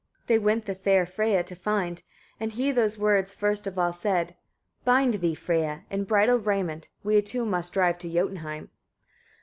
13. They went the fair Freyia to find; and he those words first of all said: "Bind thee, Freyia, in bridal raiment, we two must drive to Jotunheim."